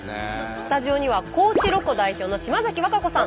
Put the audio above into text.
スタジオには高知ロコ代表の島崎和歌子さん。